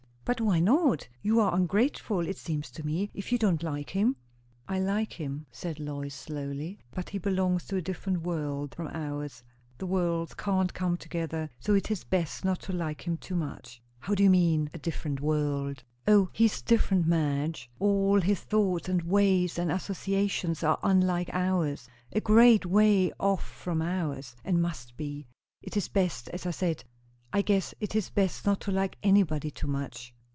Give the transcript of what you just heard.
"But why not? You are ungrateful, it seems to me, if you don't like him." "I like him," said Lois slowly; "but he belongs to a different world from ours. The worlds can't come together; so it is best not to like him too much." "How do you mean, a different world?" "O, he's different, Madge! All his thoughts and ways and associations are unlike ours a great way off from ours; and must be. It is best as I said. I guess it is best not to like anybody too much."